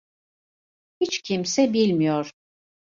Hiç kimse bilmiyor.